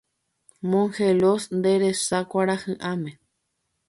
Mongelós nde resa kuarahyʼãme.